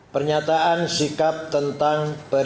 pernyataan sikap tentang pembakaran bendera